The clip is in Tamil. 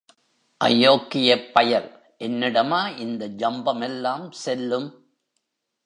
அயோக்கியப் பயல், என்னிடமா இந்த ஜம்பமெல்லாம் செல்லும்?